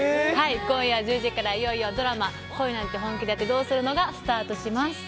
今夜１０時からいよいよ「恋なんて、本気でやってどうするの？」がスタートします。